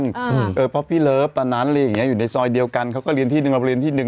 เพราะพี่เลิฟตอนนั้นอยู่ในซอยเดียวกันเขาก็เรียนที่นึงเราก็เรียนที่นึง